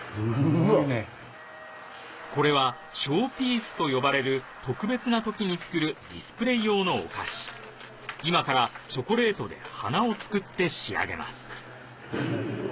これはショーピースと呼ばれる特別なときに作るディスプレイ用のお菓子今からチョコレートで花を作って仕上げます